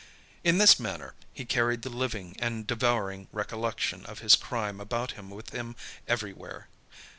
In this manner, he carried the living and devouring recollection of his crime about with him everywhere.